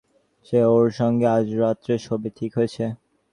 সে ওর সঙ্গে আজ রাত্রে শোবে ঠিক হয়েছে।